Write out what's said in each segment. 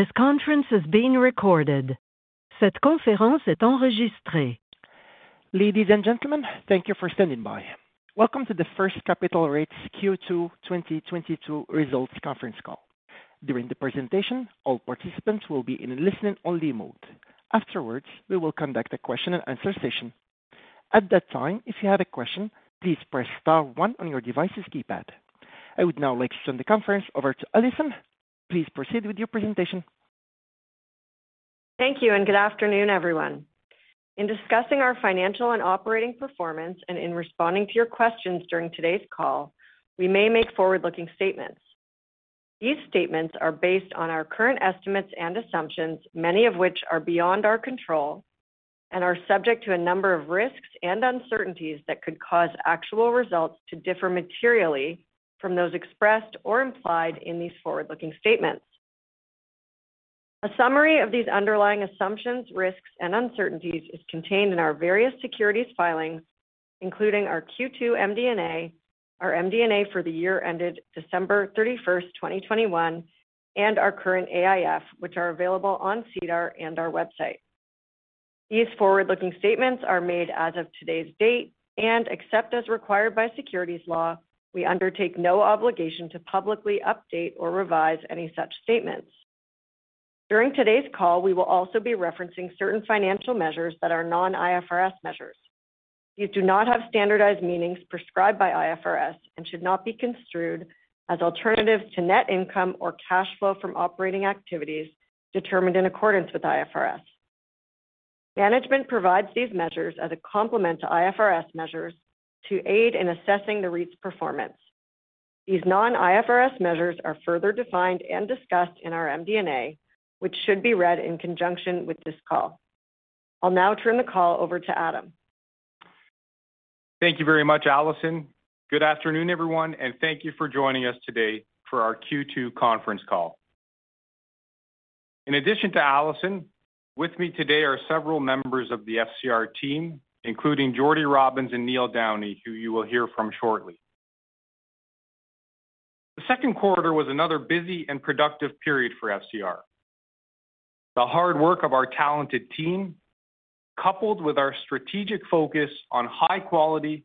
This conference is being recorded. Ladies and gentlemen, thank you for standing by. Welcome to the First Capital REIT's Q2 2022 Results Conference Call. During the presentation, all participants will be in a listen-only mode. Afterwards, we will conduct a question-and-answer session. At that time, if you have a question, please press star one on your device's keypad. I would now like to turn the conference over to Alison. Please proceed with your presentation. Thank you and good afternoon, everyone. In discussing our financial and operating performance and in responding to your questions during today's call, we may make forward-looking statements. These statements are based on our current estimates and assumptions, many of which are beyond our control, and are subject to a number of risks and uncertainties that could cause actual results to differ materially from those expressed or implied in these forward-looking statements. A summary of these underlying assumptions, risks, and uncertainties is contained in our various securities filings, including our Q2 MD&A, our MD&A for the year ended December 31st, 2021, and our current AIF, which are available on SEDAR and our website. These forward-looking statements are made as of today's date, and except as required by securities law, we undertake no obligation to publicly update or revise any such statements. During today's call, we will also be referencing certain financial measures that are non-IFRS measures. These do not have standardized meanings prescribed by IFRS and should not be construed as alternatives to net income or cash flow from operating activities determined in accordance with IFRS. Management provides these measures as a complement to IFRS measures to aid in assessing the REIT's performance. These non-IFRS measures are further defined and discussed in our MD&A, which should be read in conjunction with this call. I'll now turn the call over to Adam. Thank you very much, Alison. Good afternoon, everyone, and thank you for joining us today for our Q2 conference call. In addition to Alison, with me today are several members of the FCR team, including Jordan Robins and Neil Downey, who you will hear from shortly. The Q2 was another busy and productive period for FCR. The hard work of our talented team, coupled with our strategic focus on high quality,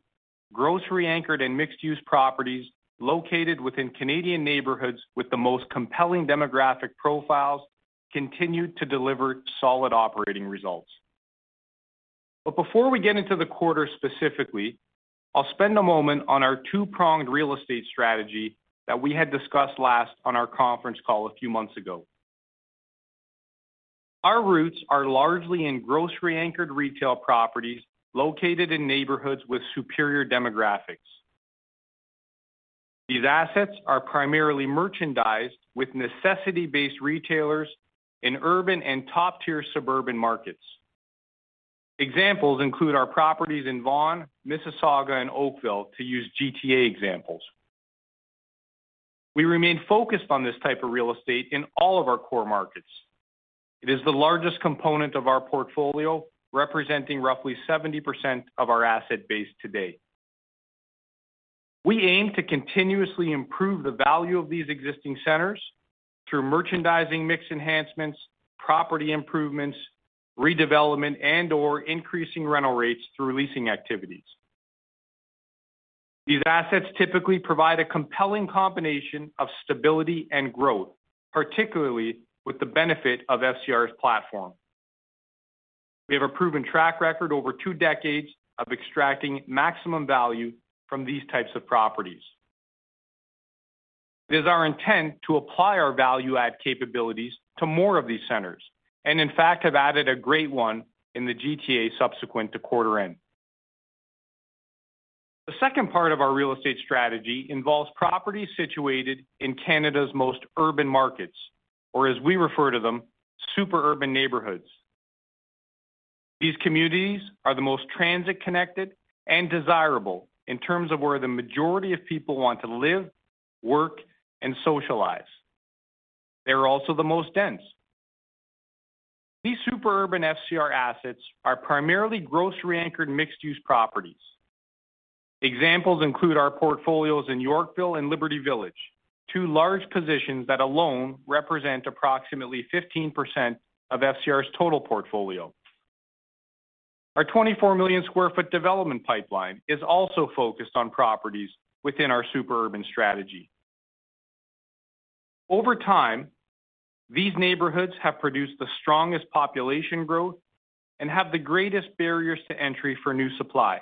grocery-anchored, and mixed-use properties located within Canadian neighborhoods with the most compelling demographic profiles, continued to deliver solid operating results. Before we get into the quarter specifically, I'll spend a moment on our two-pronged real estate strategy that we had discussed last on our conference call a few months ago. Our roots are largely in grocery-anchored retail properties located in neighborhoods with superior demographics. These assets are primarily merchandised with necessity-based retailers in urban and top-tier suburban markets. Examples include our properties in Vaughan, Mississauga, and Oakville, to use GTA examples. We remain focused on this type of real estate in all of our core markets. It is the largest component of our portfolio, representing roughly 70% of our asset base to date. We aim to continuously improve the value of these existing centers through merchandising mix enhancements, property improvements, redevelopment, and/or increasing rental rates through leasing activities. These assets typically provide a compelling combination of stability and growth, particularly with the benefit of FCR's platform. We have a proven track record over two decades of extracting maximum value from these types of properties. It is our intent to apply our value add capabilities to more of these centers, and in fact have added a great one in the GTA subsequent to quarter end. The second part of our real estate strategy involves properties situated in Canada's most urban markets, or as we refer to them, super urban neighborhoods. These communities are the most transit connected and desirable in terms of where the majority of people want to live, work, and socialize. They are also the most dense. These super urban FCR assets are primarily grocery anchored, mixed-use properties. Examples include our portfolios in Yorkville and Liberty Village, two large positions that alone represent approximately 15% of FCR's total portfolio. Our 24 million sq ft development pipeline is also focused on properties within our super urban strategy. Over time, these neighborhoods have produced the strongest population growth and have the greatest barriers to entry for new supply.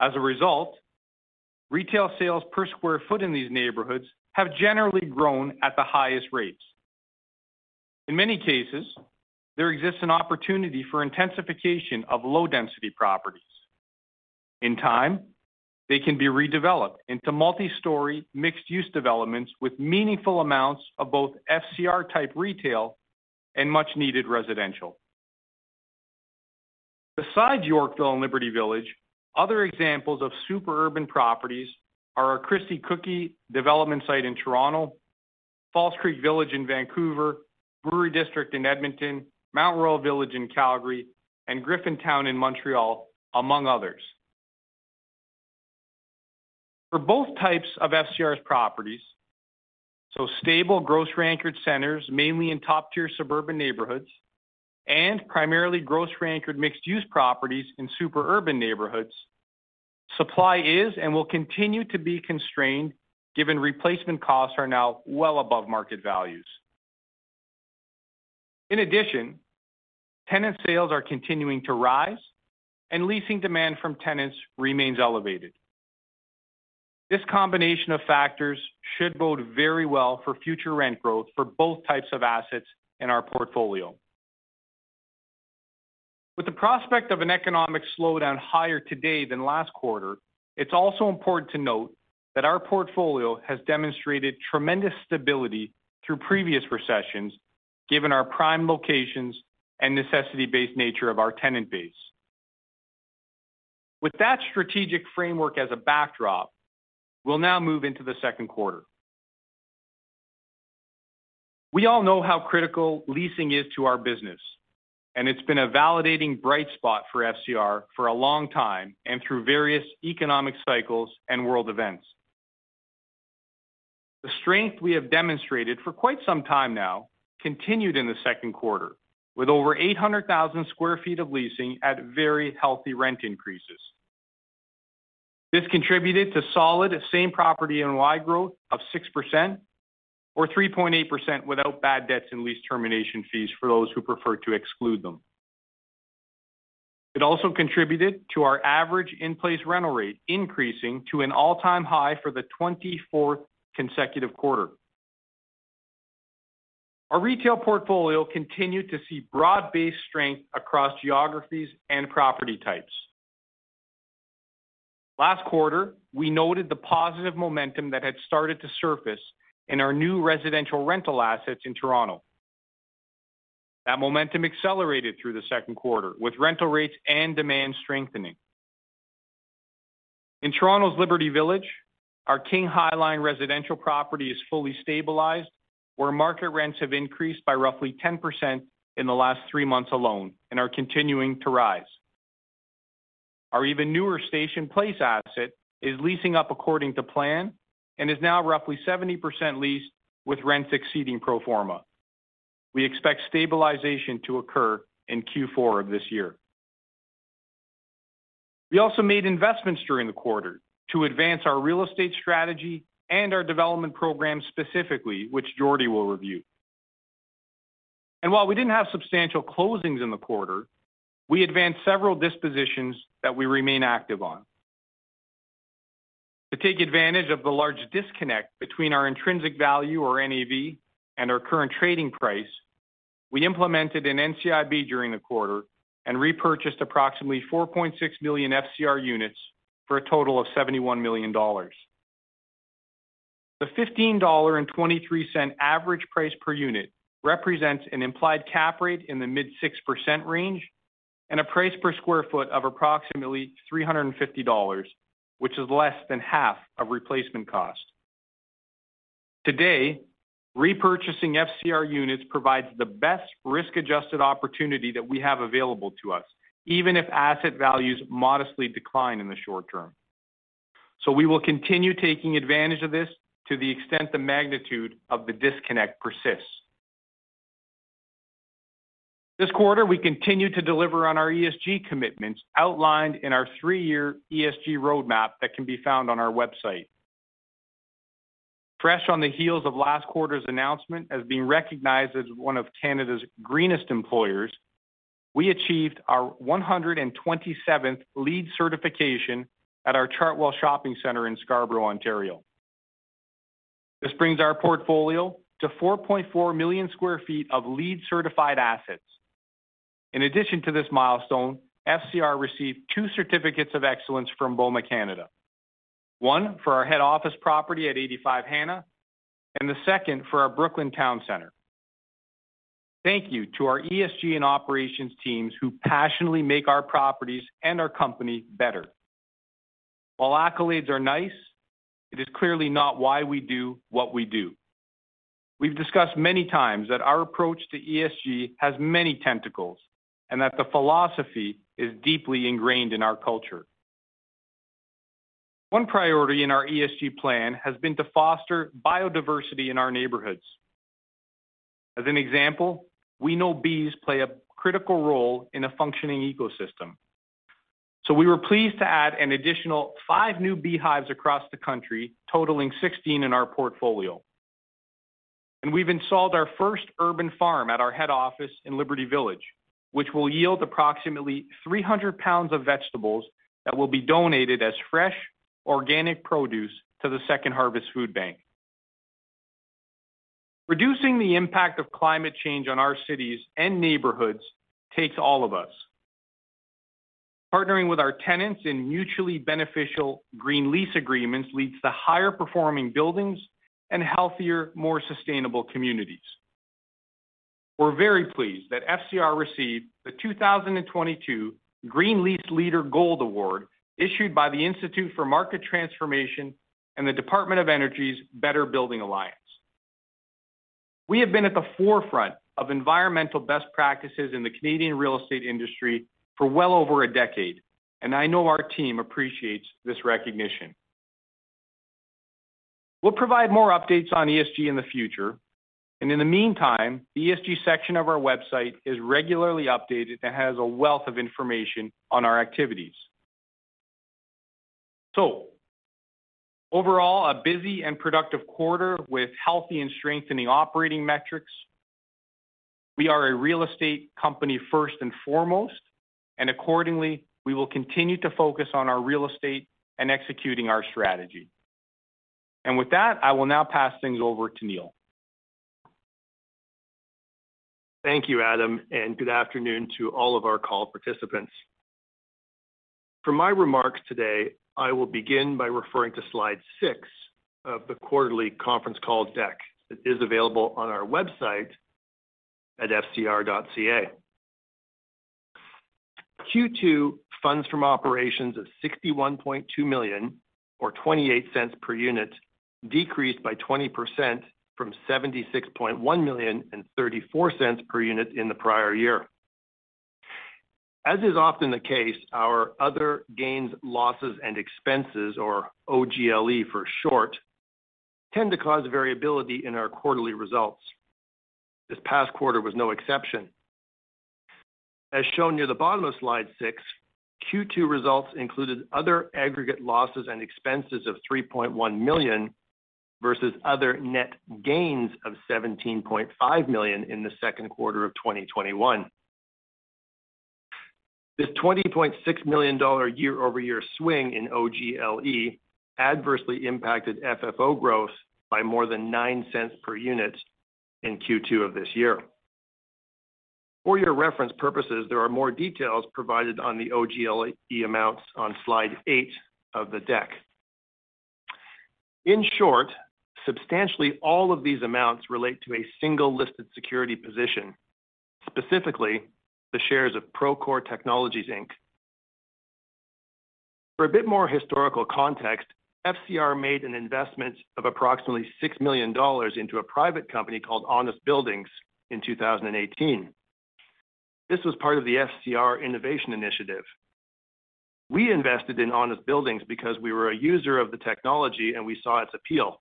As a result, retail sales per square foot in these neighborhoods have generally grown at the highest rates. In many cases, there exists an opportunity for intensification of low-density properties. In time, they can be redeveloped into multi-story mixed-use developments with meaningful amounts of both FCR type retail and much needed residential. Besides Yorkville and Liberty Village, other examples of super urban properties are our Christie Cookie development site in Toronto, False Creek Village in Vancouver, Brewery District in Edmonton, Mount Royal Village in Calgary, and Griffintown in Montreal, among others. For both types of FCR's properties, so stable grocery-anchored centers, mainly in top-tier suburban neighborhoods, and primarily grocery-anchored mixed-use properties in super urban neighborhoods, supply is and will continue to be constrained given replacement costs are now well above market values. In addition, tenant sales are continuing to rise, and leasing demand from tenants remains elevated. This combination of factors should bode very well for future rent growth for both types of assets in our portfolio. With the prospect of an economic slowdown higher today than last quarter, it's also important to note that our portfolio has demonstrated tremendous stability through previous recessions given our prime locations and necessity-based nature of our tenant base. With that strategic framework as a backdrop, we'll now move into the Q2. We all know how critical leasing is to our business, and it's been a validating bright spot for FCR for a long time and through various economic cycles and world events. The strength we have demonstrated for quite some time now continued in the Q2 with over 800,000 sq ft of leasing at very healthy rent increases. This contributed to solid same-property NOI growth of 6% or 3.8% without bad debts and lease termination fees for those who prefer to exclude them. It also contributed to our average in-place rental rate increasing to an all-time high for the 24th consecutive quarter. Our retail portfolio continued to see broad-based strength across geographies and property types. Last quarter, we noted the positive momentum that had started to surface in our new residential rental assets in Toronto. That momentum accelerated through the Q2 with rental rates and demand strengthening. In Toronto's Liberty Village, our King High Line residential property is fully stabilized, where market rents have increased by roughly 10% in the last three months alone and are continuing to rise. Our even newer Station Place asset is leasing up according to plan and is now roughly 70% leased with rent exceeding pro forma. We expect stabilization to occur in Q4 of this year. We also made investments during the quarter to advance our real estate strategy and our development program specifically, which Jordie will review. While we didn't have substantial closings in the quarter, we advanced several dispositions that we remain active on. To take advantage of the large disconnect between our intrinsic value or NAV and our current trading price, we implemented an NCIB during the quarter and repurchased approximately 4.6 million FCR units for a total of 71 million dollars. The 15.23 dollar average price per unit represents an implied cap rate in the mid-6% range and a price per sq ft of approximately 350 dollars, which is less than half of replacement cost. Today, repurchasing FCR units provides the best risk-adjusted opportunity that we have available to us, even if asset values modestly decline in the short term. We will continue taking advantage of this to the extent the magnitude of the disconnect persists. This quarter, we continued to deliver on our ESG commitments outlined in our three-year ESG roadmap that can be found on our website. Fresh on the heels of last quarter's announcement as being recognized as one of Canada's greenest employers, we achieved our 127th LEED certification at our Cedarbrae Mall in Scarborough, Ontario. This brings our portfolio to 4.4 million sq ft of LEED-certified assets. In addition to this milestone, FCR received two certificates of excellence from BOMA Canada. One for our head office property at 85 Hanna, and the second for our Brooklin Town Centre. Thank you to our ESG and operations teams who passionately make our properties and our company better. While accolades are nice, it is clearly not why we do what we do. We've discussed many times that our approach to ESG has many tentacles and that the philosophy is deeply ingrained in our culture. One priority in our ESG plan has been to foster biodiversity in our neighborhoods. As an example, we know bees play a critical role in a functioning ecosystem. We were pleased to add an additional five new beehives across the country, totaling 16 in our portfolio. We've installed our first urban farm at our head office in Liberty Village, which will yield approximately 300 lbs of vegetables that will be donated as fresh, organic produce to the Second Harvest Food Bank. Reducing the impact of climate change on our cities and neighborhoods takes all of us. Partnering with our tenants in mutually beneficial green lease agreements leads to higher performing buildings and healthier, more sustainable communities. We're very pleased that FCR received the 2022 Green Lease Leader Gold Award issued by the Institute for Market Transformation and the U.S. Department of Energy's Better Buildings Alliance. We have been at the forefront of environmental best practices in the Canadian real estate industry for well over a decade, and I know our team appreciates this recognition. We'll provide more updates on ESG in the future, and in the meantime, the ESG section of our website is regularly updated and has a wealth of information on our activities. Overall, a busy and productive quarter with healthy and strengthening operating metrics. We are a real estate company first and foremost, and accordingly, we will continue to focus on our real estate and executing our strategy. With that, I will now pass things over to Neil. Thank you, Adam, and good afternoon to all of our call participants. For my remarks today, I will begin by referring to slide six of the quarterly conference call deck that is available on our website at fcr.ca. Q2 funds from operations of 61.2 million or 0.28 per unit decreased by 20% from 76.1 million and 0.34 per unit in the prior year. As is often the case, our other gains, losses, and expenses, or OGLE for short, tend to cause variability in our quarterly results. This past quarter was no exception. As shown near the bottom of slide six, Q2 results included other aggregate losses and expenses of 3.1 million versus other net gains of 17.5 million in the Q2 of 2021. This 20.6 million dollar year-over-year swing in OGLE adversely impacted FFO growth by more than 0.09 per unit in Q2 of this year. For your reference purposes, there are more details provided on the OGLE amounts on slide eight of the deck. In short, substantially all of these amounts relate to a single listed security position, specifically the shares of Procore Technologies, Inc. For a bit more historical context, FCR made an investment of approximately 6 million dollars into a private company called Honest Buildings in 2018. This was part of the FCR Innovation Initiative. We invested in Honest Buildings because we were a user of the technology, and we saw its appeal.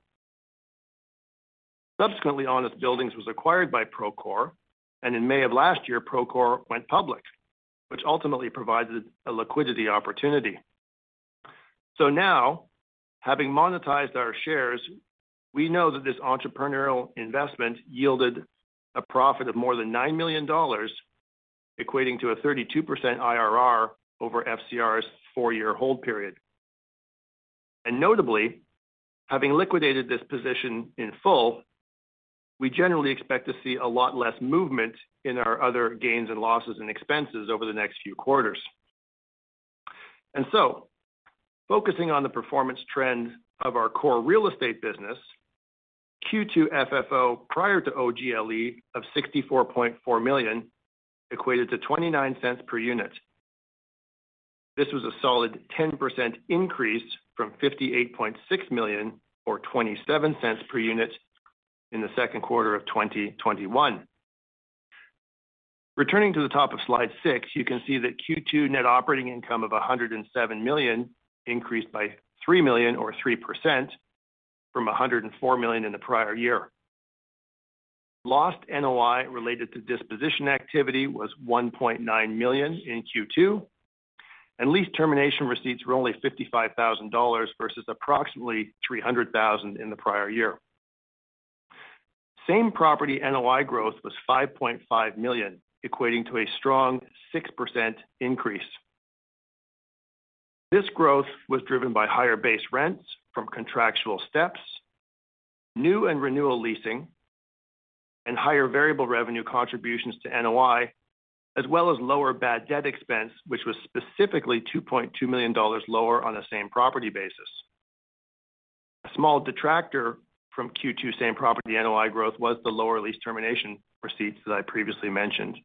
Subsequently, Honest Buildings was acquired by Procore, and in May of last year, Procore went public, which ultimately provided a liquidity opportunity. Now, having monetized our shares, we know that this entrepreneurial investment yielded a profit of more than 9 million dollars, equating to a 32% IRR over FCR's 4-year hold period. Notably, having liquidated this position in full, we generally expect to see a lot less movement in our other gains and losses and expenses over the next few quarters. Focusing on the performance trend of our core real estate business, Q2 FFO prior to OGLE of 64.4 million equated to 0.29 per unit. This was a solid 10% increase from 58.6 million or 0.27 per unit in the Q2 of 2021. Returning to the top of slide six, you can see that Q2 net operating income of 107 million increased by 3 million or 3% from 104 million in the prior year. Lost NOI related to disposition activity was 1.9 million in Q2, and lease termination receipts were only 55,000 dollars versus approximately 300,000 in the prior year. Same property NOI growth was 5.5 million, equating to a strong 6% increase. This growth was driven by higher base rents from contractual steps, new and renewal leasing, and higher variable revenue contributions to NOI, as well as lower bad debt expense, which was specifically 2.2 million dollars lower on a same property basis. A small detractor from Q2 same property NOI growth was the lower lease termination receipts that I previously mentioned.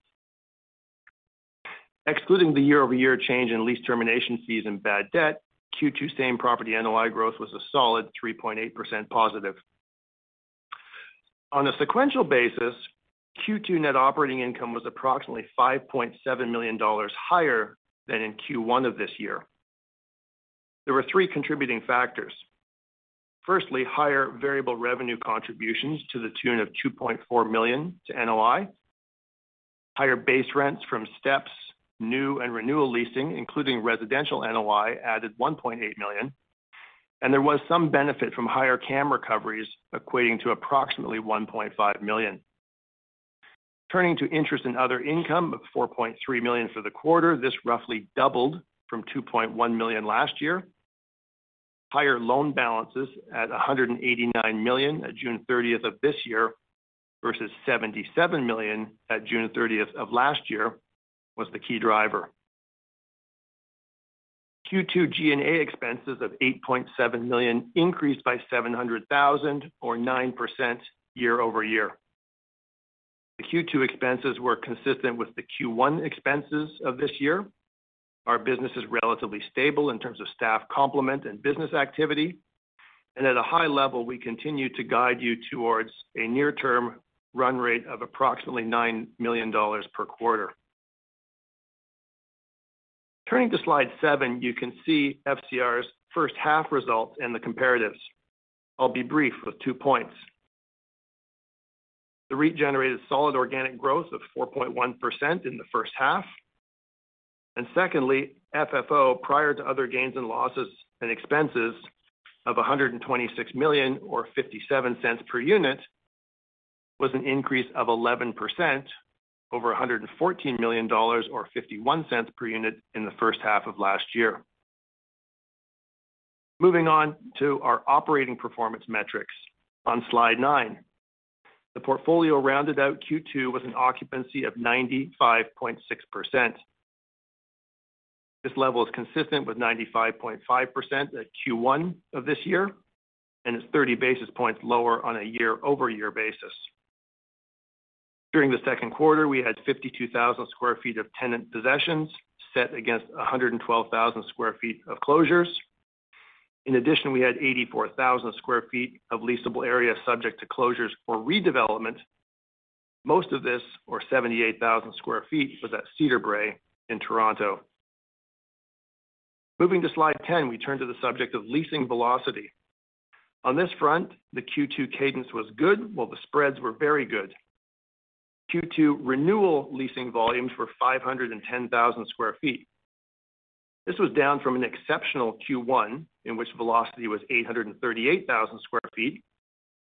Excluding the year-over-year change in lease termination fees and bad debt, Q2 same property NOI growth was a solid 3.8% positive. On a sequential basis, Q2 net operating income was approximately 5.7 million dollars higher than in Q1 of this year. There were three contributing factors. Firstly, higher variable revenue contributions to the tune of 2.4 million to NOI. Higher base rents from steps, new and renewal leasing, including residential NOI, added 1.8 million. There was some benefit from higher CAM recoveries equating to approximately 1.5 million. Turning to interest and other income of 4.3 million for the quarter. This roughly doubled from 2.1 million last year. Higher loan balances of 189 million at June 30 of this year versus 77 million at June 30th of last year was the key driver. Q2 G&A expenses of 8.7 million increased by 700,000 or 9% year-over-year. The Q2 expenses were consistent with the Q1 expenses of this year. Our business is relatively stable in terms of staff complement and business activity. At a high level, we continue to guide you towards a near-term run rate of approximately 9 million dollars per quarter. Turning to slide seven, you can see FCR's first half results and the comparatives. I'll be brief with two points. The rate generated solid organic growth of 4.1% in the first half. Secondly, FFO, prior to other gains and losses and expenses of 126 million or 0.57 per unit, was an increase of 11% over 114 million dollars or 0.51 per unit in the first half of last year. Moving on to our operating performance metrics on slide nine. The portfolio rounded out Q2 with an occupancy of 95.6%. This level is consistent with 95.5% at Q1 of this year and is 30 basis points lower on a year-over-year basis. During the Q2, we had 52,000 sq ft of tenant possessions set against 112,000 sq ft of closures. In addition, we had 84,000 sq ft of leasable area subject to closures for redevelopment. Most of this, or 78,000 sq ft, was at Cedarbrae in Toronto. Moving to slide 10, we turn to the subject of leasing velocity. On this front, the Q2 cadence was good, while the spreads were very good. Q2 renewal leasing volumes were 510,000 sq ft. This was down from an exceptional Q1, in which velocity was 838,000 sq ft.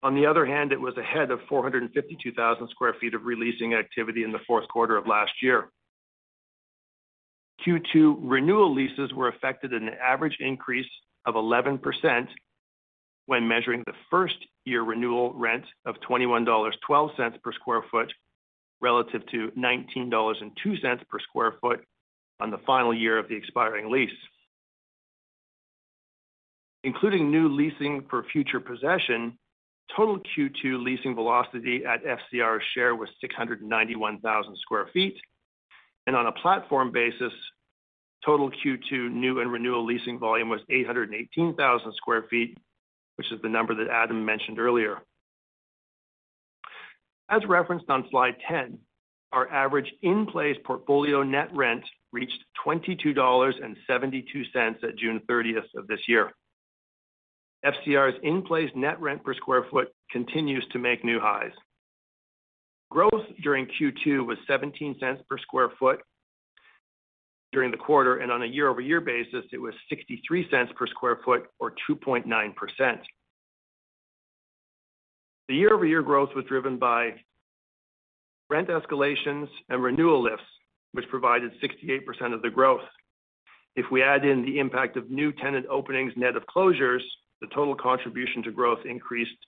On the other hand, it was ahead of 452,000 sq ft of re-leasing activity in the Q4 of last year. Q2 renewal leases were at an average increase of 11% when measuring the first year renewal rent of 21.12 dollars per sq ft relative to 19.02 dollars per sq ft on the final year of the expiring lease. Including new leasing for future possession, total Q2 leasing velocity at FCR share was 691,000 sq ft. On a platform basis, total Q2 new and renewal leasing volume was 818,000 sq ft, which is the number that Adam mentioned earlier. As referenced on slide 10, our average in-place portfolio net rent reached CAD 22.72 at June 30th of this year. FCR's in-place net rent per sq ft continues to make new highs. Growth during Q2 was 0.17 per sq ft during the quarter, and on a year-over-year basis, it was 0.63 per sq ft or 2.9%. The year-over-year growth was driven by rent escalations and renewal lifts, which provided 68% of the growth. If we add in the impact of new tenant openings net of closures, the total contribution to growth increased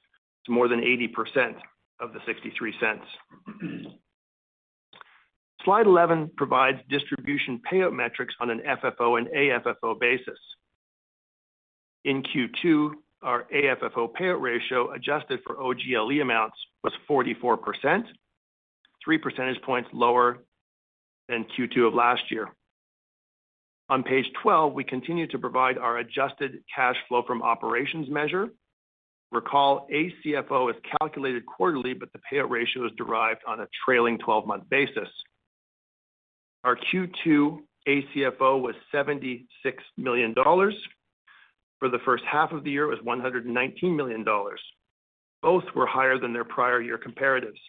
to more than 80% of the 0.63. Slide 11 provides distribution payout metrics on an FFO and AFFO basis. In Q2, our AFFO payout ratio adjusted for OGLE amounts was 44%, three percentage points lower than Q2 of last year. On page 12, we continue to provide our adjusted cash flow from operations measure. Recall, ACFO is calculated quarterly, but the payout ratio is derived on a trailing 12-month basis. Our Q2 ACFO was 76 million dollars. For the first half of the year, it was 119 million dollars. Both were higher than their prior year comparatives.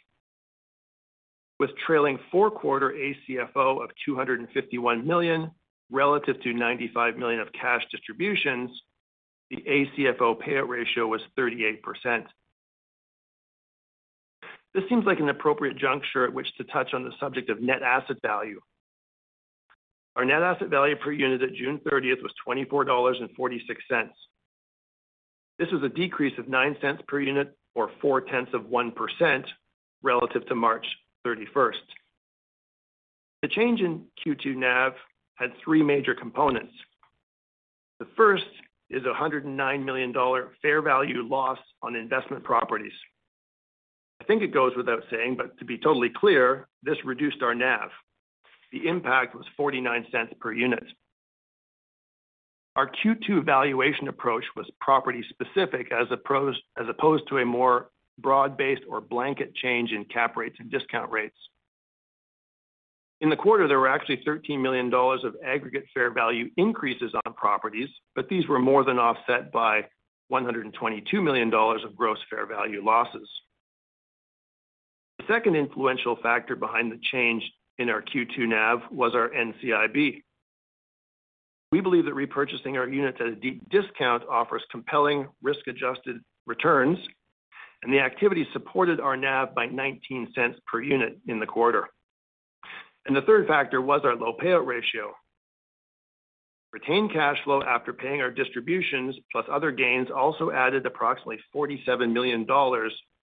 With trailing Q4 ACFO of 251 million relative to 95 million of cash distributions, the ACFO payout ratio was 38%. This seems like an appropriate juncture at which to touch on the subject of net asset value. Our net asset value per unit at June 30th was 24.46 dollars. This was a decrease of 0.09 per unit or 0.4% relative to March 31st. The change in Q2 NAV had three major components. The first is a 109 million dollar fair value loss on investment properties. I think it goes without saying, but to be totally clear, this reduced our NAV. The impact was 0.49 per unit. Our Q2 valuation approach was property specific, as opposed to a more broad-based or blanket change in cap rates and discount rates. In the quarter, there were actually 13 million dollars of aggregate fair value increases on properties, but these were more than offset by 122 million dollars of gross fair value losses. The second influential factor behind the change in our Q2 NAV was our NCIB. We believe that repurchasing our units at a deep discount offers compelling risk-adjusted returns, and the activity supported our NAV by 0.19 per unit in the quarter. The third factor was our low payout ratio. Retained cash flow after paying our distributions, plus other gains, also added approximately 47 million dollars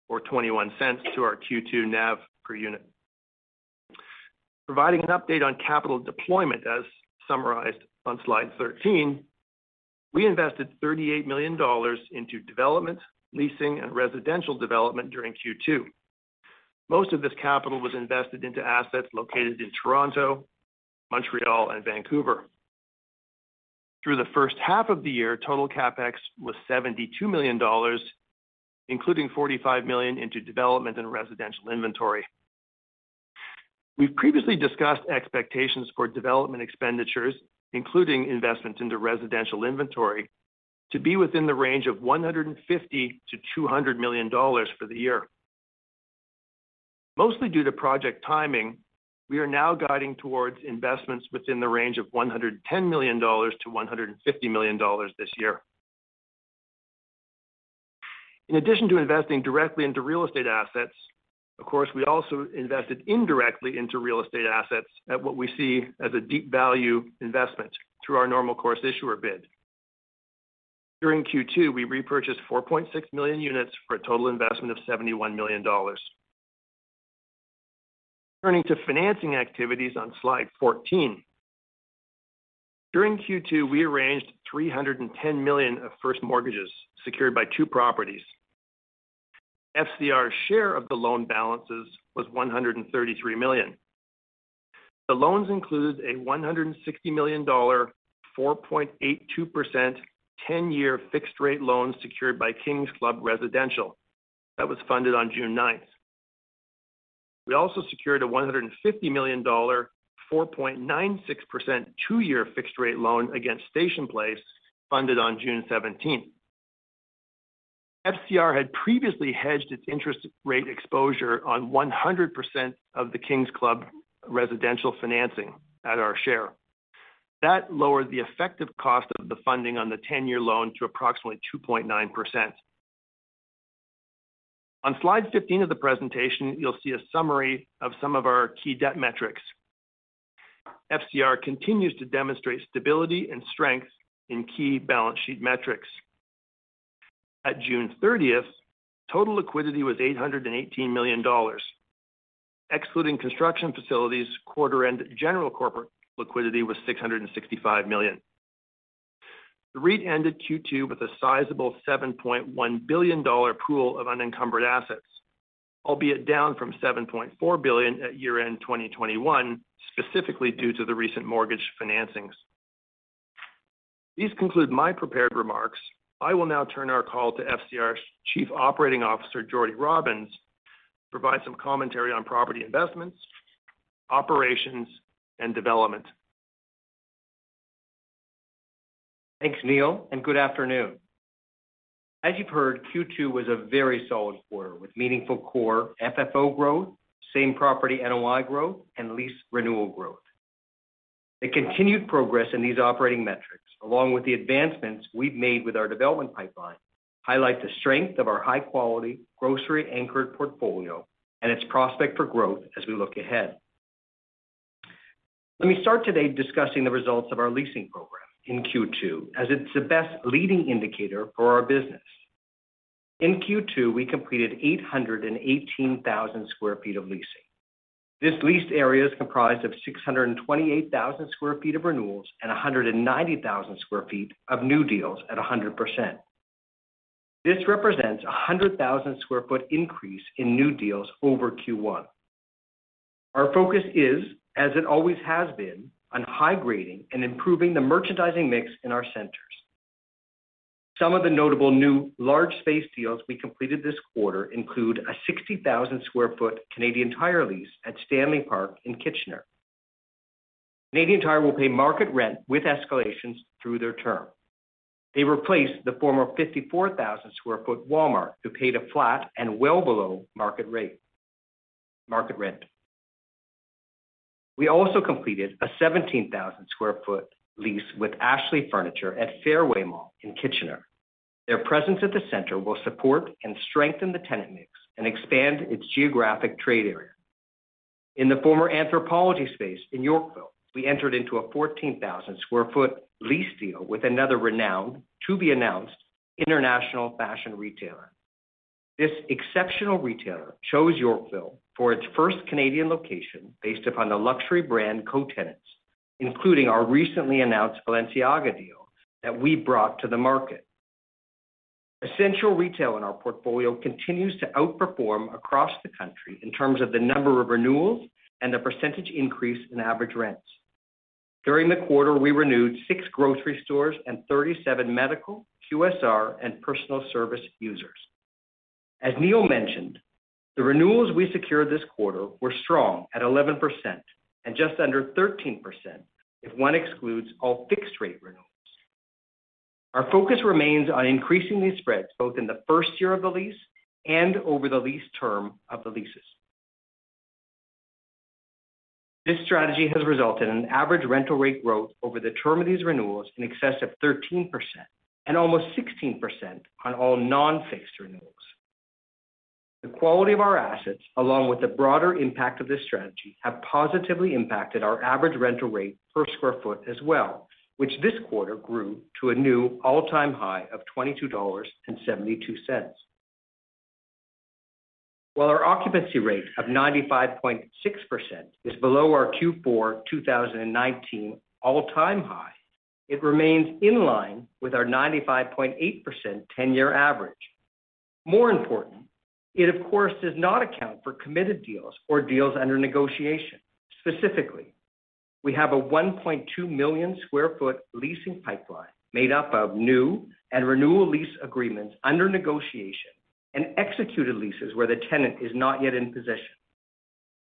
or 0.21 to our Q2 NAV per unit. Providing an update on capital deployment, as summarized on slide 13, we invested 38 million dollars into development, leasing, and residential development during Q2. Most of this capital was invested into assets located in Toronto, Montreal, and Vancouver. Through the first half of the year, total CapEx was 72 million dollars, including 45 million into development and residential inventory. We've previously discussed expectations for development expenditures, including investments into residential inventory, to be within the range of 150 milllion-CAD 200 million for the year. Mostly due to project timing, we are now guiding towards investments within the range of 110 million-150 million dollars this year. In addition to investing directly into real estate assets, of course, we also invested indirectly into real estate assets at what we see as a deep value investment through our normal course issuer bid. During Q2, we repurchased 4.6 million units for a total investment of 71 million dollars. Turning to financing activities on slide 14. During Q2, we arranged 310 million of first mortgages secured by two properties. FCR's share of the loan balances was 133 million. The loans include a 160 million dollar, 4.82%, 10-year fixed rate loan secured by Kings Club Residential. That was funded on June 9th. We also secured a 150 million dollar, 4.96%, 2-year fixed rate loan against Station Place, funded on June seventeenth. FCR had previously hedged its interest rate exposure on 100% of the Kings Club residential financing at our share. That lowered the effective cost of the funding on the 10-year loan to approximately 2.9%. On slide 15 of the presentation, you'll see a summary of some of our key debt metrics. FCR continues to demonstrate stability and strength in key balance sheet metrics. At June thirtieth, total liquidity was 818 million dollars. Excluding construction facilities, quarter end general corporate liquidity was 665 million. The REIT ended Q2 with a sizable 7.1 billion dollar pool of unencumbered assets, albeit down from 7.4 billion at year-end 2021, specifically due to the recent mortgage financings. These conclude my prepared remarks. I will now turn our call to FCR's Chief Operating Officer, Jordan Robins, to provide some commentary on property investments, operations, and development. Thanks, Neil, and good afternoon. As you've heard, Q2 was a very solid quarter with meaningful core FFO growth, same property NOI growth, and lease renewal growth. The continued progress in these operating metrics, along with the advancements we've made with our development pipeline, highlight the strength of our high-quality grocery anchored portfolio and its prospect for growth as we look ahead. Let me start today discussing the results of our leasing program in Q2 as it's the best leading indicator for our business. In Q2, we completed 818,000 sq ft of leasing. This leased area is comprised of 628,000 sq ft of renewals and 190,000 sq ft of new deals at 100%. This represents a 100,000 sq ft increase in new deals over Q1. Our focus is, as it always has been, on high grading and improving the merchandising mix in our centers. Some of the notable new large space deals we completed this quarter include a 60,000 sq ft Canadian Tire lease at Stanley Park in Kitchener. Canadian Tire will pay market rent with escalations through their term. They replaced the former 54,000 sq ft Walmart, who paid a flat and well below-market rent. We also completed a 17,000 sq ft lease with Ashley Furniture at Fairway Mall in Kitchener. Their presence at the center will support and strengthen the tenant mix and expand its geographic trade area. In the former Anthropologie space in Yorkville, we entered into a 14,000 sq ft lease deal with another renowned, to-be-announced, international fashion retailer. This exceptional retailer chose Yorkville for its first Canadian location based upon the luxury brand co-tenants, including our recently announced Balenciaga deal that we brought to the market. Essential retail in our portfolio continues to outperform across the country in terms of the number of renewals and the percentage increase in average rents. During the quarter, we renewed six grocery stores and 37 medical, QSR, and personal service users. As Neil mentioned, the renewals we secured this quarter were strong at 11% and just under 13% if one excludes all fixed rate renewals. Our focus remains on increasing these spreads both in the 1st year of the lease and over the lease term of the leases. This strategy has resulted in an average rental rate growth over the term of these renewals in excess of 13% and almost 16% on all non-fixed renewals. The quality of our assets, along with the broader impact of this strategy, have positively impacted our average rental rate per sq ft as well, which this quarter grew to a new all-time high of 22.72 dollars. While our occupancy rate of 95.6% is below our Q4 2019 all-time high, it remains in line with our 95.8% ten-year average. More important, it of course does not account for committed deals or deals under negotiation. Specifically, we have a 1.2 million sq ft leasing pipeline made up of new and renewal lease agreements under negotiation and executed leases where the tenant is not yet in possession.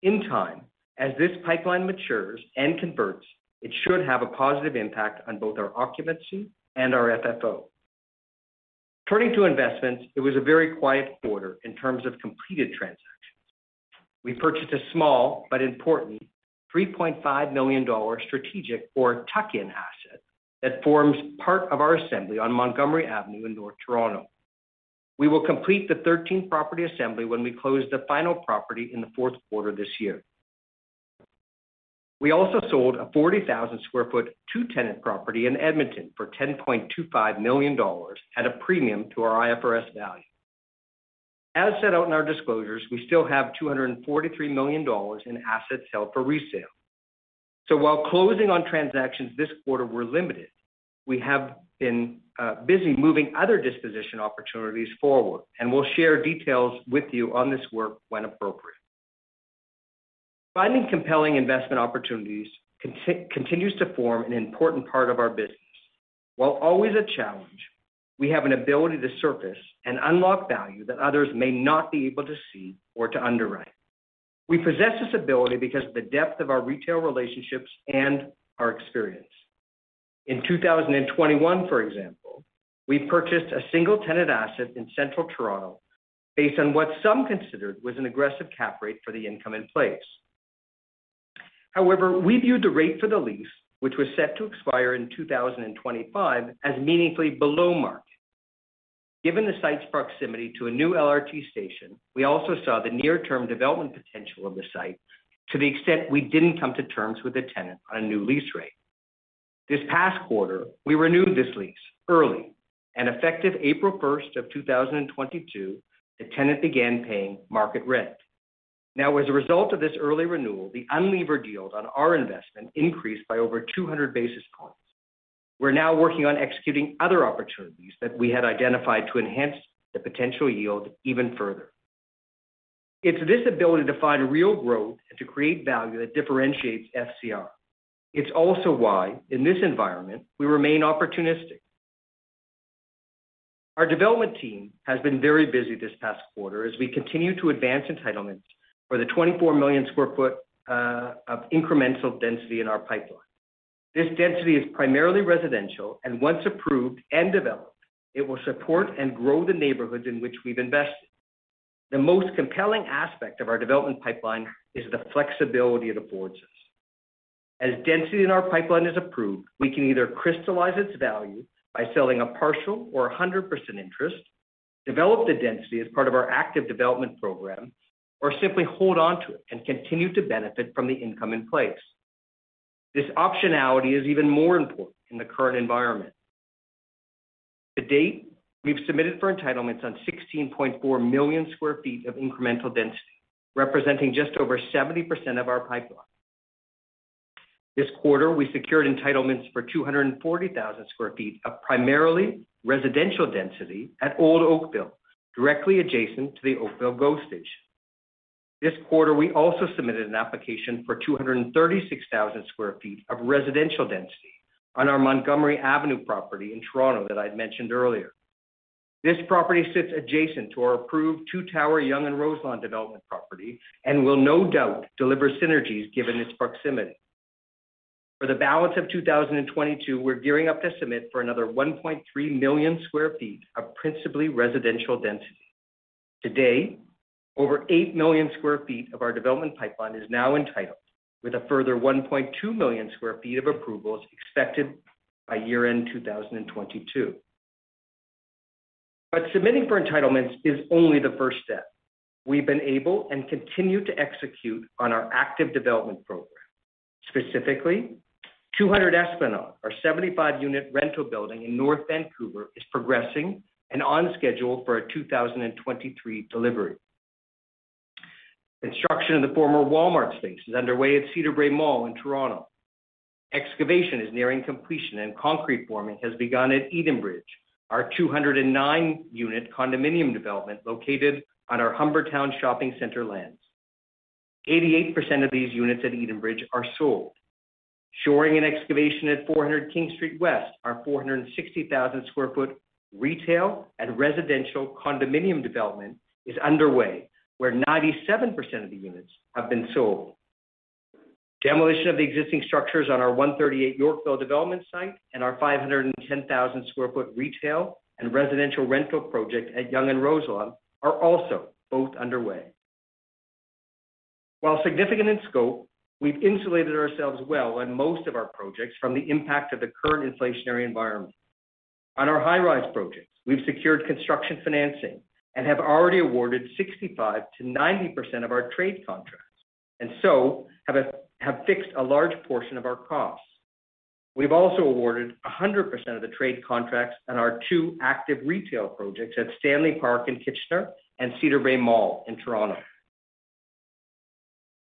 In time, as this pipeline matures and converts, it should have a positive impact on both our occupancy and our FFO. Turning to investments, it was a very quiet quarter in terms of completed transactions. We purchased a small but important 3.5 million dollars strategic or tuck-in asset that forms part of our assembly on Montgomery Avenue in North Toronto. We will complete the thirteenth property assembly when we close the final property in the Q4 this year. We also sold a 40,000 sq ft two-tenant property in Edmonton for 10.25 million dollars at a premium to our IFRS value. As set out in our disclosures, we still have 243 million dollars in assets held for resale. While closing on transactions this quarter were limited, we have been busy moving other disposition opportunities forward, and we'll share details with you on this work when appropriate. Finding compelling investment opportunities continues to form an important part of our business. While always a challenge, we have an ability to surface and unlock value that others may not be able to see or to underwrite. We possess this ability because of the depth of our retail relationships and our experience. In 2021, for example, we purchased a single-tenant asset in central Toronto based on what some considered was an aggressive cap rate for the income in place. However, we viewed the rate for the lease, which was set to expire in 2025 as meaningfully below market. Given the site's proximity to a new LRT station, we also saw the near-term development potential of the site to the extent we didn't come to terms with the tenant on a new lease rate. This past quarter, we renewed this lease early, and effective April 1, 2022, the tenant began paying market rent. Now, as a result of this early renewal, the unlevered yield on our investment increased by over 200 basis points. We're now working on executing other opportunities that we had identified to enhance the potential yield even further. It's this ability to find real growth and to create value that differentiates FCR. It's also why, in this environment, we remain opportunistic. Our development team has been very busy this past quarter as we continue to advance entitlements for the 24 million sq ft of incremental density in our pipeline. This density is primarily residential, and once approved and developed, it will support and grow the neighborhoods in which we've invested. The most compelling aspect of our development pipeline is the flexibility it affords us. As density in our pipeline is approved, we can either crystallize its value by selling a partial or a 100% interest, develop the density as part of our active development program, or simply hold on to it and continue to benefit from the income in place. This optionality is even more important in the current environment. To date, we've submitted for entitlements on 16.4 million sq ft of incremental density, representing just over 70% of our pipeline. This quarter, we secured entitlements for 240,000 sq ft of primarily residential density at Old Oakville, directly adjacent to the Oakville GO station. This quarter, we also submitted an application for 236,000 sq ft of residential density on our Montgomery Avenue property in Toronto that I'd mentioned earlier. This property sits adjacent to our approved 2-tower Yonge and Roselawn development property and will no doubt deliver synergies given its proximity. For the balance of 2022, we're gearing up to submit for another 1.3 million sq ft of principally residential density. To date, over 8 million sq ft of our development pipeline is now entitled, with a further 1.2 million sq ft of approvals expected by year-end 2022. Submitting for entitlements is only the first step. We've been able and continue to execute on our active development program. Specifically, 200 Esplanade, our 75-unit rental building in North Vancouver, is progressing and on schedule for a 2023 delivery. Construction of the former Walmart space is underway at Cedarbrae Mall in Toronto. Excavation is nearing completion and concrete forming has begun at Edenbridge, our 209-unit condominium development located on our Humbertown Shopping Centre lands. 88% of these units at Edenbridge are sold. Shoring and excavation at 400 King Street West, our 460,000 sq ft retail and residential condominium development is underway, where 97% of the units have been sold. Demolition of the existing structures on our 138 Yorkville development site and our 510,000 sq ft retail and residential rental project at Yonge and Roselawn are also both underway. While significant in scope, we've insulated ourselves well on most of our projects from the impact of the current inflationary environment. On our high-rise projects, we've secured construction financing and have already awarded 65%-90% of our trade contracts, and so have fixed a large portion of our costs. We've also awarded 100% of the trade contracts on our two active retail projects at Stanley Park in Kitchener and Cedarbrae Mall in Toronto.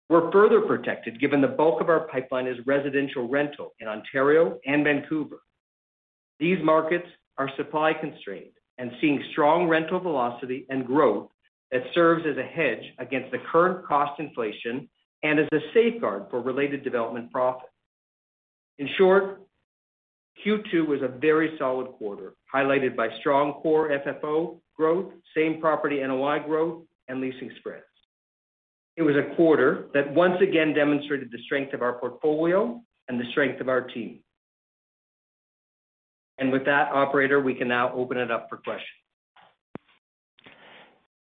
We're further protected given the bulk of our pipeline is residential rental in Ontario and Vancouver. These markets are supply-constrained and seeing strong rental velocity and growth that serves as a hedge against the current cost inflation and as a safeguard for related development profit. In short, Q2 was a very solid quarter, highlighted by strong core FFO growth, same-property NOI growth, and leasing spreads. It was a quarter that once again demonstrated the strength of our portfolio and the strength of our team. With that operator, we can now open it up for questions.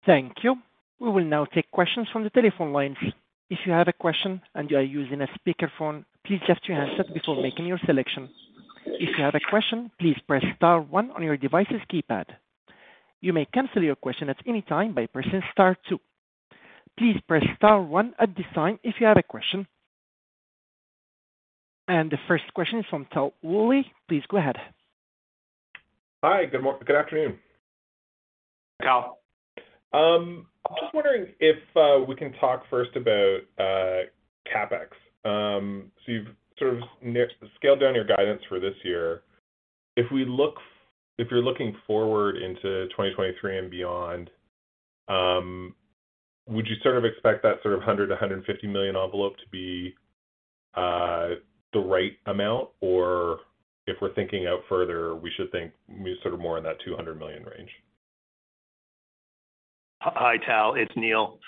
Thank you. We will now take questions from the telephone lines. If you have a question and you are using a speakerphone, please deafen your handset before making your selection. If you have a question, please press star one on your device's keypad. You may cancel your question at any time by pressing star two. Please press star one at this time if you have a question. The first question is from Tal Woolley. Please go ahead. Hi, good afternoon. Tal. Just wondering if we can talk first about CapEx. You've sort of scaled down your guidance for this year. If you're looking forward into 2023 and beyond, would you sort of expect that sort of 100-150 million envelope to be the right amount? Or if we're thinking out further, we should think maybe sort of more in that 200 million range? Hi, Tal. It's Neil.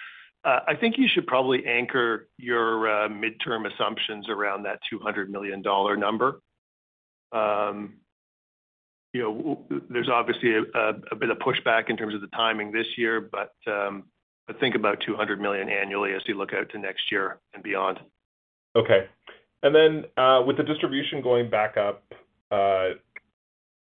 I think you should probably anchor your midterm assumptions around that 200 million dollar number. You know, there's obviously a bit of push back in terms of the timing this year, but think about 200 million annually as you look out to next year and beyond. With the distribution going back up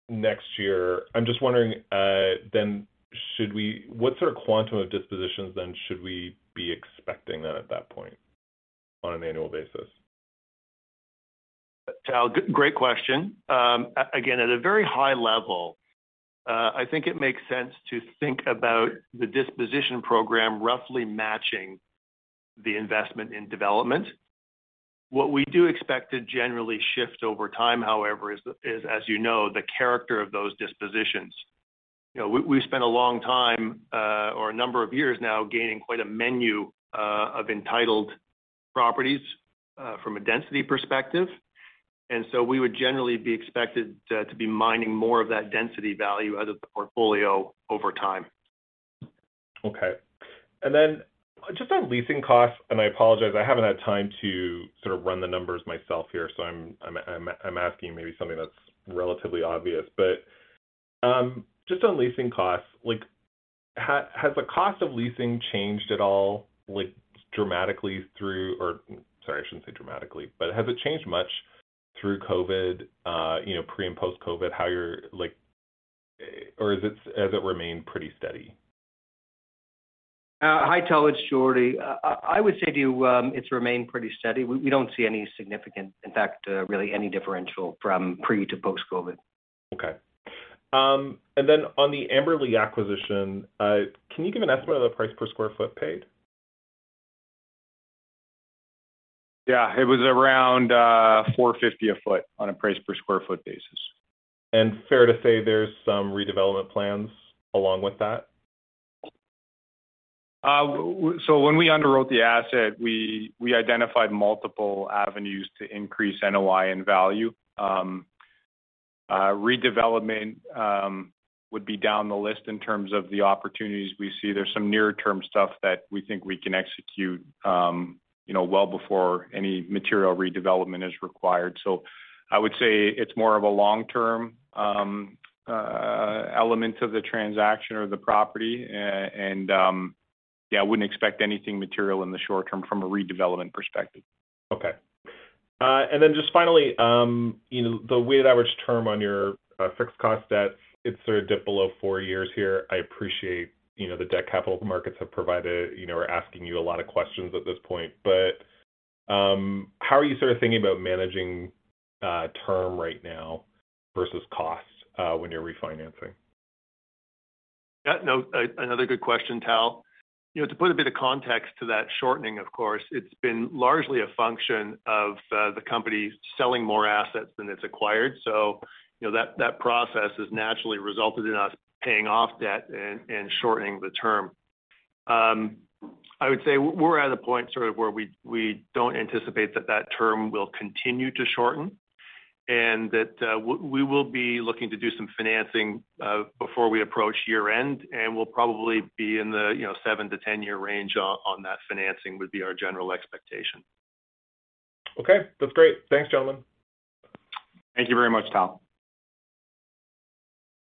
next year, I'm just wondering what sort of quantum of dispositions then should we be expecting then at that point on an annual basis? Tal, great question. Again, at a very high level, I think it makes sense to think about the disposition program roughly matching the investment in development. What we do expect to generally shift over time, however, is, as you know, the character of those dispositions. You know, we spent a long time, or a number of years now gaining quite a menu of entitled properties from a density perspective. We would generally be expected to be mining more of that density value out of the portfolio over time. Just on leasing costs, and I apologize, I haven't had time to sort of run the numbers myself here, so I'm asking maybe something that's relatively obvious. Just on leasing costs, like, has the cost of leasing changed at all, like, dramatically. Sorry, I shouldn't say dramatically, but has it changed much through COVID, you know, pre and post-COVID? Or has it remained pretty steady? Hi, Tal. It's Geordie. I would say to you, it's remained pretty steady. We don't see any significant, in fact, really any differential from pre to post-COVID. Okay. On the Amberlea acquisition, can you give an estimate of the price per square foot paid? Yeah. It was around 450 sq ft on a price per sq ft basis. Fair to say there's some redevelopment plans along with that? When we underwrote the asset, we identified multiple avenues to increase NOI and value. Redevelopment would be down the list in terms of the opportunities. We see there's some near-term stuff that we think we can execute, you know, well before any material redevelopment is required. I would say it's more of a long-term element of the transaction or the property. Yeah, I wouldn't expect anything material in the short term from a redevelopment perspective. Okay. Just finally, you know, the weighted average term on your fixed cost debts, it sort of dipped below four years here. I appreciate, you know, the debt capital markets have provided. You know, we're asking you a lot of questions at this point. How are you sort of thinking about managing term right now versus costs when you're refinancing? Yeah. No, another good question, Tal. You know, to put a bit of context to that shortening, of course, it's been largely a function of the company selling more assets than it's acquired. You know, that process has naturally resulted in us paying off debt and shortening the term. I would say we're at a point sort of where we don't anticipate that term will continue to shorten, and that we will be looking to do some financing before we approach year-end, and we'll probably be in the 7-10 year range on that financing would be our general expectation. Okay. That's great. Thanks, gentlemen. Thank you very much, Tal.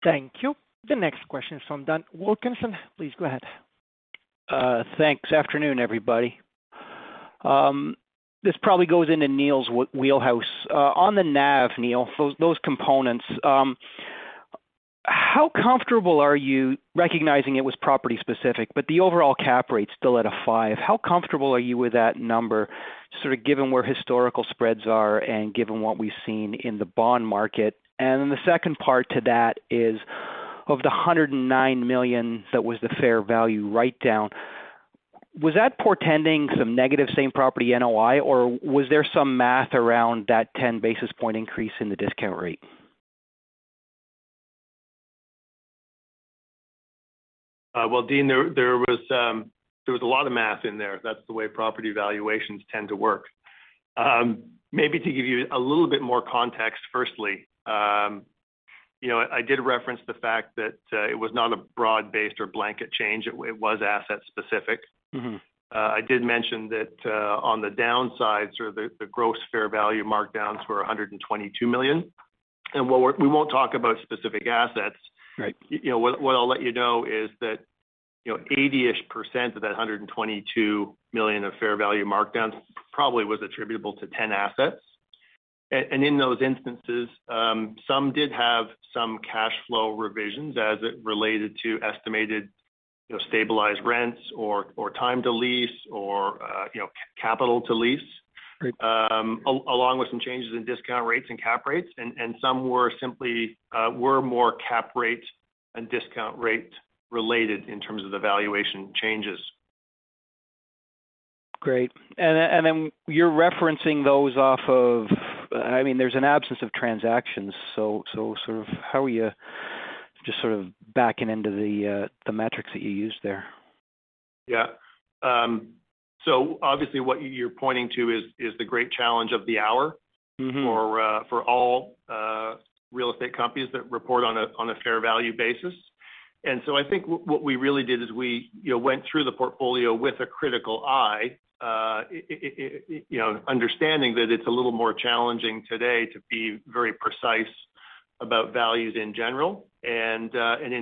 Thank you. The next question is from Dean Wilkinson. Please go ahead. Thanks. Afternoon, everybody. This probably goes into Neil's wheelhouse. On the NAV, Neil, those components, how comfortable are you recognizing it was property specific, but the overall cap rate still at a 5. How comfortable are you with that number, sort of given where historical spreads are and given what we've seen in the bond market? Then the second part to that is of the 109 million, that was the fair value write down. Was that portending some negative same property NOI, or was there some math around that 10 basis point increase in the discount rate? Well, Dean, there was a lot of math in there. That's the way property valuations tend to work. Maybe to give you a little bit more context, firstly, you know, I did reference the fact that it was not a broad-based or blanket change. It was asset specific. Mm-hmm. I did mention that, on the downside, sort of the gross fair value markdowns were 122 million. We won't talk about specific assets. Right. You know what I'll let you know is that you know 80-ish% of that 122 million of fair value markdowns probably was attributable to 10 assets. And in those instances, some did have some cash flow revisions as it related to estimated, you know, stabilized rents or time to lease or, you know, capital to lease. Right. Along with some changes in discount rates and cap rates. Some were simply more cap rate and discount rate related in terms of the valuation changes. Great. You're referencing those off of, I mean, there's an absence of transactions, so sort of how are you just sort of backing into the metrics that you used there? Yeah. Obviously what you're pointing to is the great challenge of the hour. Mm-hmm For all real estate companies that report on a fair value basis. I think what we really did is we, you know, went through the portfolio with a critical eye, you know, understanding that it's a little more challenging today to be very precise about values in general. In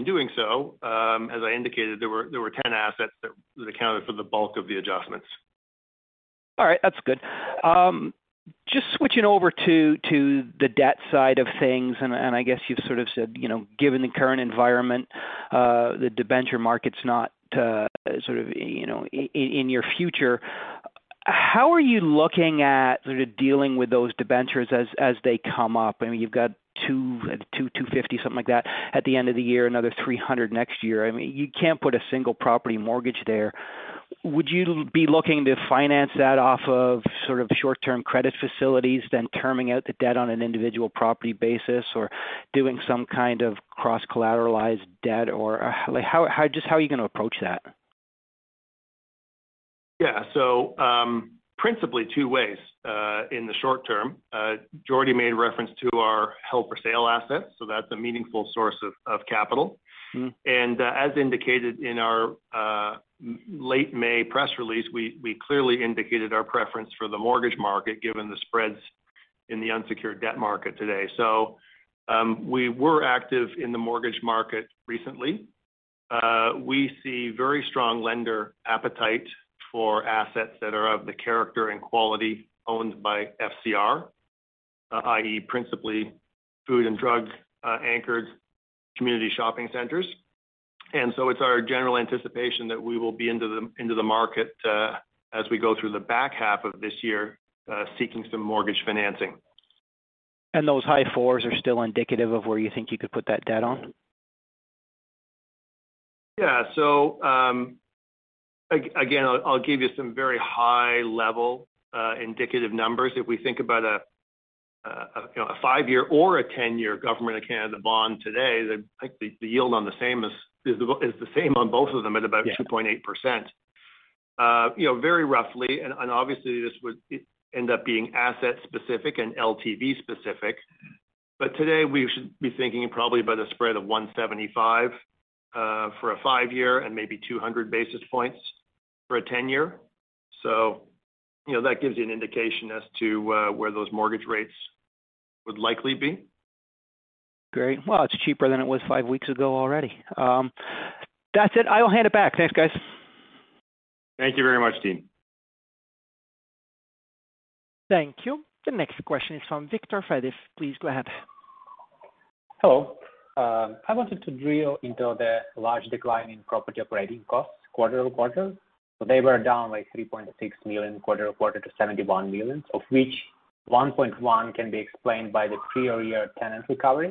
doing so, as I indicated, there were 10 assets that accounted for the bulk of the adjustments. All right. That's good. Just switching over to the debt side of things, and I guess you've sort of said, you know, given the current environment, the debenture market's not sort of, you know, in your future. How are you looking at sort of dealing with those debentures as they come up? I mean, you've got 250, something like that at the end of the year, another 300 next year. I mean, you can't put a single property mortgage there. Would you be looking to finance that off of sort of short-term credit facilities or terming out the debt on an individual property basis or doing some kind of cross-collateralized debt? Or, like, just how are you going to approach that? Yeah. Principally two ways in the short term. Jordan made reference to our held-for-sale assets, so that's a meaningful source of capital. Mm-hmm. As indicated in our late May press release, we clearly indicated our preference for the mortgage market given the spreads in the unsecured debt market today. We were active in the mortgage market recently. We see very strong lender appetite for assets that are of the character and quality owned by FCR, i.e., principally food and drug anchored community shopping centers. It's our general anticipation that we will be into the market as we go through the back half of this year seeking some mortgage financing. Those high 4s are still indicative of where you think you could put that debt on? Yeah. Again, I'll give you some very high level indicative numbers. If we think about, you know, a five-year or a 10-year Government of Canada bond today, like the yield on the same is the same on both of them at about- Yeah. 2.8%. You know, very roughly, and obviously this would end up being asset specific and LTV specific. Today we should be thinking probably about a spread of 175 for a five-year and maybe 200 basis points for a 10-year. You know, that gives you an indication as to where those mortgage rates would likely be. Great. Well, it's cheaper than it was five weeks ago already. That's it. I will hand it back. Thanks, guys. Thank you very much, Dean. Thank you. The next question is from Victor Lazarovici. Please go ahead. Hello. I wanted to drill into the large decline in property operating costs quarter-over-quarter. They were down like 3.6 million quarter-over-quarter to 71 million, of which 1.1 can be explained by the prior year tenant recovery.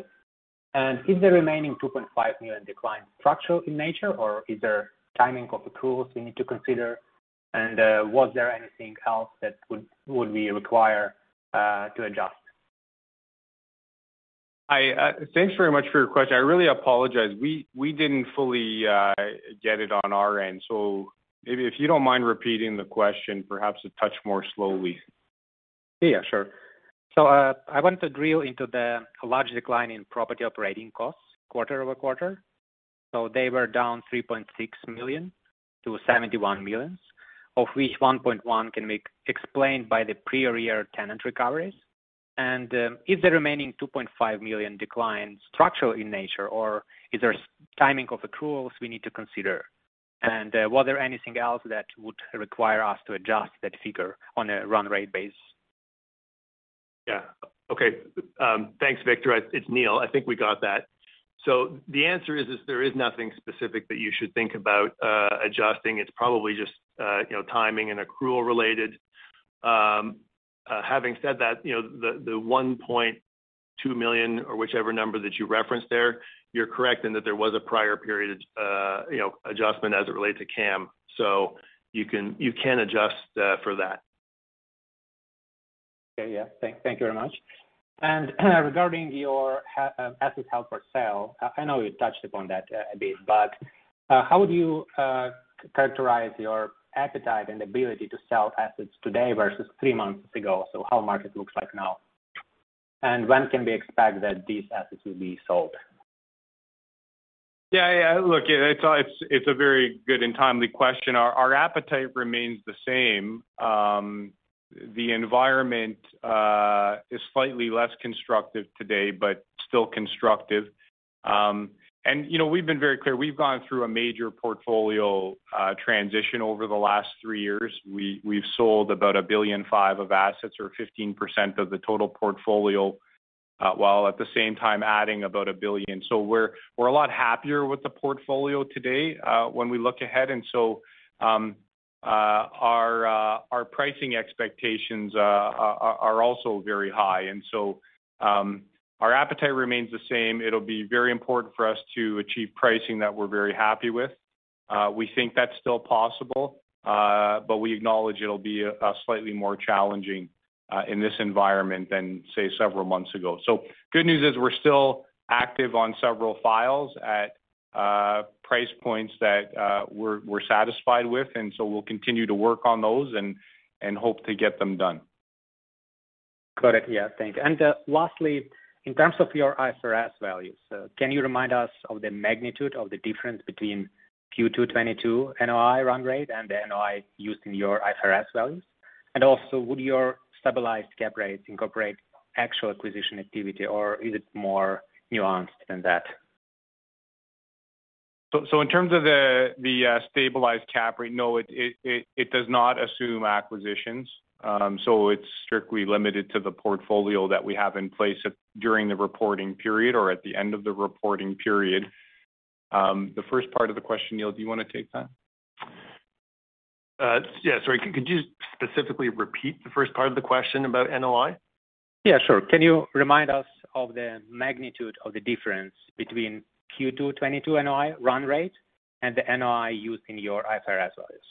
Is the remaining 2.5 million decline structural in nature, or is there timing of accruals we need to consider? Was there anything else that would be required to adjust? Thanks very much for your question. I really apologize. We didn't fully get it on our end. Maybe if you don't mind repeating the question perhaps a touch more slowly. Yeah, sure. I want to drill into the large decline in property operating costs quarter-over-quarter. They were down 3.6 million to 71 million, of which 1.1 million can be explained by the prior year tenant recoveries. Is the remaining 2.5 million decline structural in nature, or is there timing of accruals we need to consider? Was there anything else that would require us to adjust that figure on a run-rate basis? Yeah. Okay. Thanks, Victor. It's Neil. I think we got that. The answer is there is nothing specific that you should think about adjusting. It's probably just you know, timing and accrual related. Having said that, you know, the 1.2 million or whichever number that you referenced there, you're correct in that there was a prior period you know, adjustment as it relates to CAM. You can adjust for that. Okay. Yeah. Thank you very much. Regarding your asset held for sale, I know you touched upon that a bit, but how would you characterize your appetite and ability to sell assets today versus three months ago? How market looks like now? When can we expect that these assets will be sold? Yeah. Look, it's a very good and timely question. Our appetite remains the same. The environment is slightly less constructive today, but still constructive. You know, we've been very clear. We've gone through a major portfolio transition over the last three years. We've sold about 1.5 billion of assets or 15% of the total portfolio, while at the same time adding about 1 billion. We're a lot happier with the portfolio today, when we look ahead. Our pricing expectations are also very high. Our appetite remains the same. It'll be very important for us to achieve pricing that we're very happy with. We think that's still possible, but we acknowledge it'll be slightly more challenging in this environment than, say, several months ago. Good news is we're still active on several files at price points that we're satisfied with, and so we'll continue to work on those and hope to get them done. Got it. Yeah. Thank you. Lastly, in terms of your IFRS values, can you remind us of the magnitude of the difference between Q2 2022 NOI run rate and the NOI used in your IFRS values? Also, would your stabilized cap rates incorporate actual acquisition activity, or is it more nuanced than that? In terms of the stabilized cap rate, no, it does not assume acquisitions. It's strictly limited to the portfolio that we have in place during the reporting period or at the end of the reporting period. The first part of the question, Neil, do you wanna take that? Yeah. Sorry. Could you specifically repeat the first part of the question about NOI? Yeah, sure. Can you remind us of the magnitude of the difference between Q2 2022 NOI run rate and the NOI used in your IFRS values?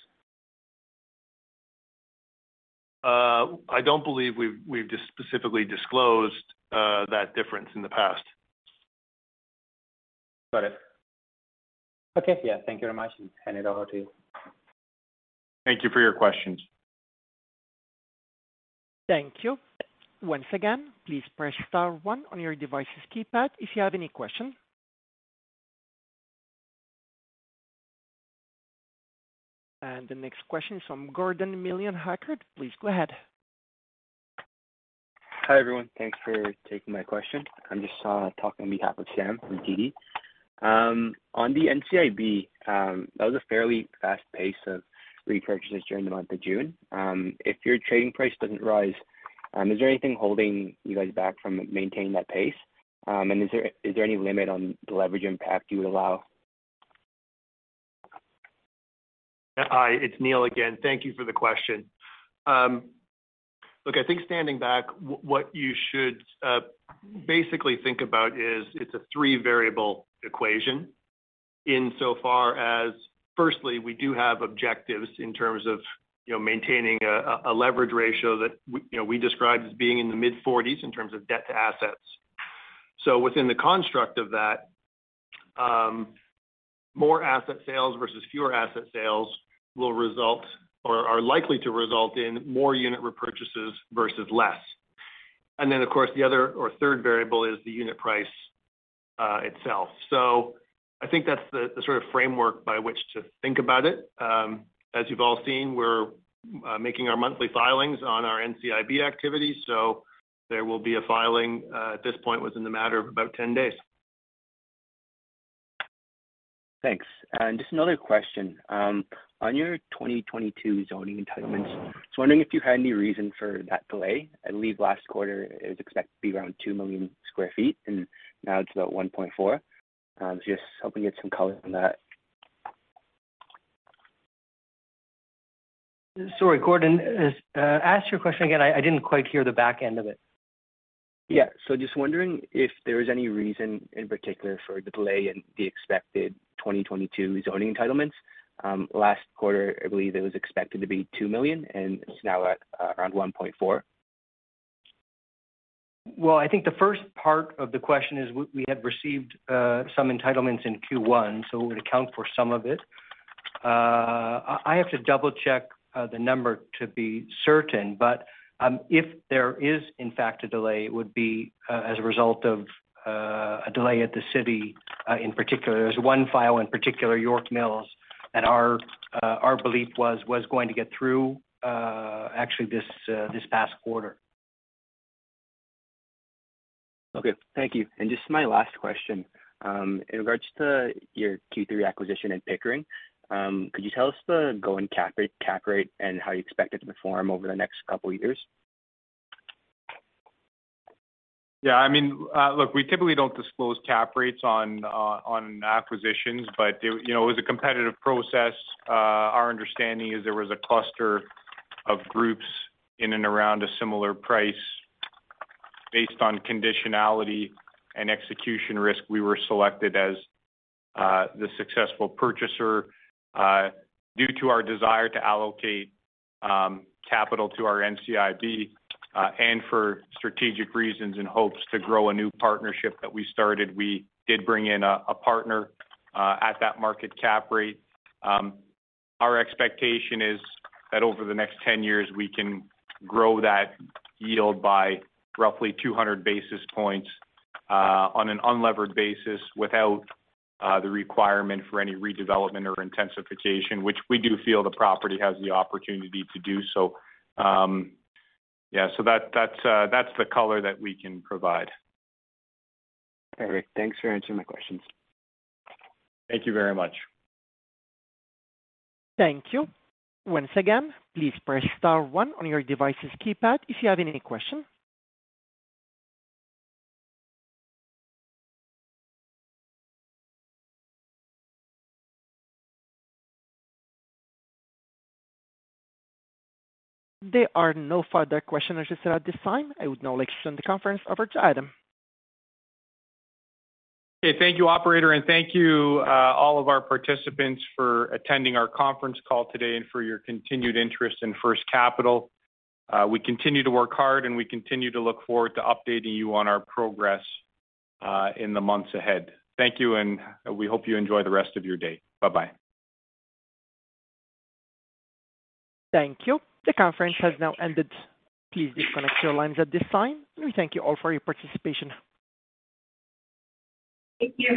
I don't believe we've just specifically disclosed that difference in the past. Got it. Okay. Yeah. Thank you very much. Hand it over to you. Thank you for your questions. Thank you. Once again, please press star one on your device's keypad if you have any questions. The next question is from Gordon Milne [Haverford]. Please go ahead. Hi, everyone. Thanks for taking my question. I'm just talking on behalf of Sam from TD. On the NCIB, that was a fairly fast pace of repurchases during the month of June. If your trading price doesn't rise, is there anything holding you guys back from maintaining that pace? Is there any limit on the leverage impact you would allow? Hi. It's Neil again. Thank you for the question. Look, I think standing back, what you should basically think about is it's a 3-variable equation in so far as firstly, we do have objectives in terms of, you know, maintaining a leverage ratio that we, you know, we described as being in the mid-40s% in terms of debt to assets. Within the construct of that, more asset sales versus fewer asset sales will result or are likely to result in more unit repurchases versus less. Then, of course, the other or third variable is the unit price itself. I think that's the sort of framework by which to think about it. As you've all seen, we're making our monthly filings on our NCIB activity, so there will be a filing at this point within a matter of about 10 days. Thanks. Just another question. On your 2022 zoning entitlements, just wondering if you had any reason for that delay. I believe last quarter it was expected to be around 2 million sq ft, and now it's about 1.4. Just hoping to get some color on that. Sorry, Gordon. Ask your question again. I didn't quite hear the back end of it. Just wondering if there is any reason in particular for the delay in the expected 2022 zoning entitlements. Last quarter, I believe it was expected to be 2 million, and it's now at around 1.4 million. Well, I think the first part of the question is we had received some entitlements in Q1, so it would account for some of it. I have to double-check the number to be certain, but if there is in fact a delay, it would be as a result of a delay at the city in particular. There's one file in particular, York Mills, that our belief was going to get through actually this past quarter. Okay. Thank you. Just my last question. In regards to your Q3 acquisition in Pickering, could you tell us the going cap rate and how you expect it to perform over the next couple years? Yeah. I mean, look, we typically don't disclose cap rates on acquisitions. You know, it was a competitive process. Our understanding is there was a cluster of groups in and around a similar price based on conditionality and execution risk. We were selected as the successful purchaser due to our desire to allocate capital to our NCIB and for strategic reasons in hopes to grow a new partnership that we started. We did bring in a partner at that market cap rate. Our expectation is that over the next 10 years we can grow that yield by roughly 200 basis points on an unlevered basis without the requirement for any redevelopment or intensification, which we do feel the property has the opportunity to do so. Yeah. That's the color that we can provide. All right. Thanks for answering my questions. Thank you very much. Thank you. Once again, please press star one on your device's keypad if you have any question. There are no further questions as of this time. I would now like to turn the conference over to Adam. Okay. Thank you, operator, and thank you, all of our participants for attending our conference call today and for your continued interest in First Capital. We continue to work hard, and we continue to look forward to updating you on our progress, in the months ahead. Thank you, and we hope you enjoy the rest of your day. Bye-bye. Thank you. The conference has now ended. Please disconnect your lines at this time. We thank you all for your participation. Thank you.